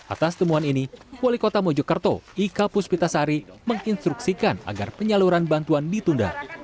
atas temuan ini wali kota mojokerto ika puspitasari menginstruksikan agar penyaluran bantuan ditunda